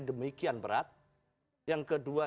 demikian berat yang kedua